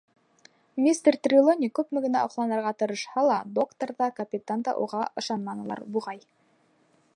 Мистер Трелони күпме генә аҡланырға тырышһа ла, доктор ҙа, капитан да уға ышанманылар, буғай.